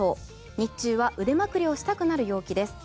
日中は腕まくりをしたくなる陽気です。